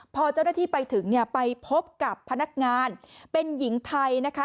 พอเจ้าหน้าที่ไปถึงเนี่ยไปพบกับพนักงานเป็นหญิงไทยนะคะ